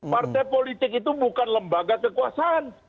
partai politik itu bukan lembaga kekuasaan